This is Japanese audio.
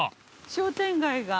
商店街が。